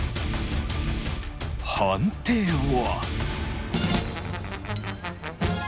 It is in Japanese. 判定は。